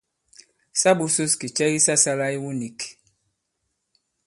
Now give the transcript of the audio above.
Sa būsūs kì cɛ ki sa sālā iwu nīk.